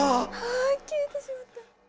あ消えてしまった。